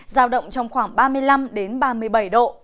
giao động trong khoảng ba mươi năm ba mươi bảy độ